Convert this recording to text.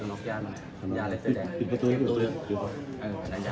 ส่วนสุดท้ายส่วนสุดท้าย